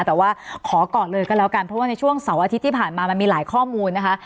แต่ว่าขอก่อนเลยก็แล้วกันเพราะว่าในช่วงเสาร์อาทิตย์ที่ผ่านมามันมีหลายข้อมูลนะคะ